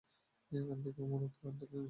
এখান থেকেই মূলতঃ আন্দোলনের শুরু।